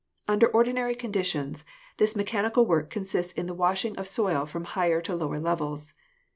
Under ordinary conditions this me chanical work consists in the washing of soil from higher to lower levels.